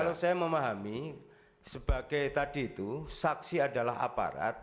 kalau saya memahami sebagai tadi itu saksi adalah aparat